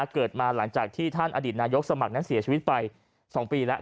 เกิดมาหลังจากที่ท่านอดีตนายกสมัครนั้นเสียชีวิตไป๒ปีแล้ว